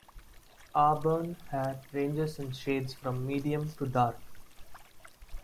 Auburn hair ranges in shades from medium to dark.